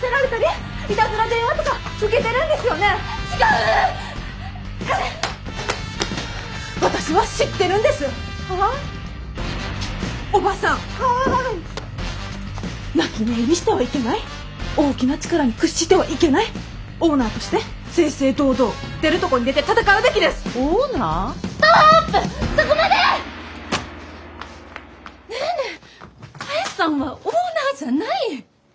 多江さんはオーナーじゃない！